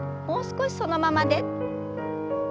もう少しそのままで。